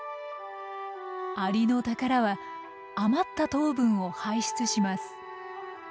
アリノタカラは余った糖分を排出します。